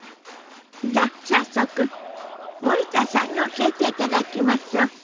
じゃあ早速森田さんに教えていただきましょう。